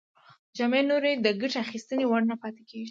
جامې نور د ګټې اخیستنې وړ نه پاتې کیږي.